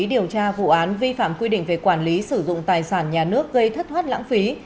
điều tra vụ án vi phạm quy định về quản lý sử dụng tài sản nhà nước gây thất thoát lãng phí